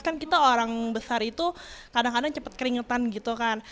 kan kita orang besar itu kadang kadang cepat keringetan gitu kan